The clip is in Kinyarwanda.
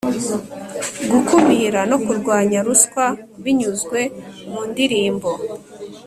gukumira no kurwanya ruswa binyuzwe mu ndirimbo.